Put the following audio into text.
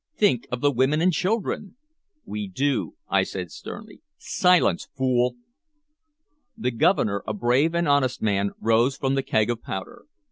"Think of the women and children!" "We do," I said sternly. "Silence, fool!" The Governor, a brave and honest man, rose from the keg of powder.